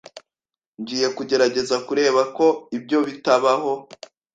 Ngiye kugerageza kureba ko ibyo bitabaho.